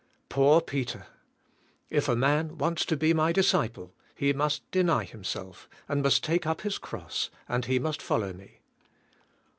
Poor Peter. "If a man wants to be my disciple he must deny himself and must take up his cross and he must follow me."